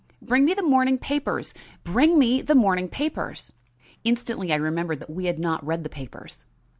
Bring me the morning papers; bring me the morning papers!" Instantly I remembered that we had not read the papers.